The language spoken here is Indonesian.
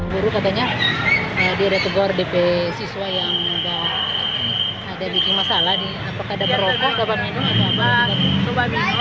guru katanya dia ditegur depan siswa yang ada bikin masalah di merokok dapat minum dapat minum